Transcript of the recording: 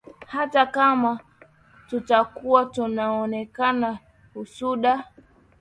hata kama tutakuwa tunaonewa usuda